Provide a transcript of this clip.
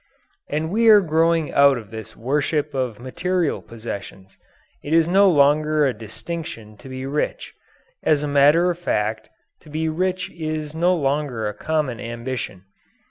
And we are growing out of this worship of material possessions. It is no longer a distinction to be rich. As a matter of fact, to be rich is no longer a common ambition.